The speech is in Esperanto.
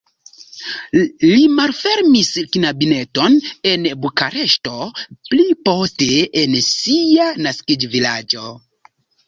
Li malfermis kabineton en Bukareŝto, pli poste en sia naskiĝvilaĝo.